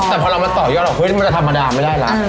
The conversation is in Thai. แต่พอเรามาต่อยอดมันจะธรรมดาไม่ได้แล้ว